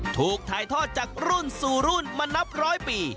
ถูกถ่ายทอดจากรุ่นสู่รุ่นมานับร้อยปี